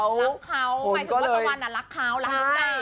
กลับเขาหมายถึงว่าตวันน่ะลับเขาแล้ว